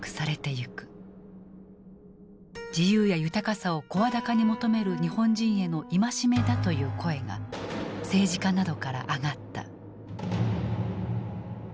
自由や豊かさを声高に求める日本人への戒めだという声が政治家などから上がった。